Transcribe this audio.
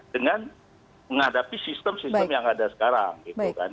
dengan menghadapi sistem sistem yang ada sekarang